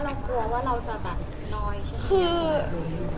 แล้วก็ออกมาอย่างที่เห็นค่ะ